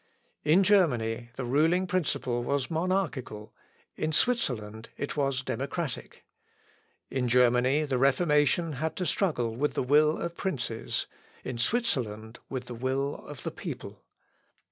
In Germany, the ruling principle was monarchical, in Switzerland it was democratic. In Germany the Reformation had to struggle with the will of princes; in Switzerland, with the will of the people.